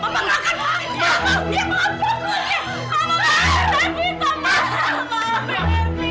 ma gak akan pernah pernah menghapus kamu